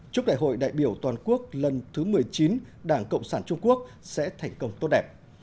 chúc đại hội đại biểu toàn quốc lần thứ một mươi chín đảng cộng sản trung quốc sẽ thành công tốt đẹp